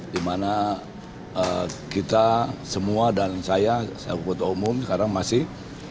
di mana kita semua dan saya saya kutu umum sekarang masih